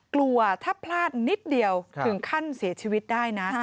กลัวถ้าพลาดนิดเดียวถึงขั้นเสียชีวิตได้นะ